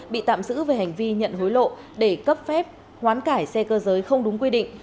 bị tạm giữ về hành vi nhận hối lộ để cấp phép hoán cải xe cơ giới không đúng quy định